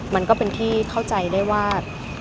มันก็เป็นที่เข้าใจได้ว่า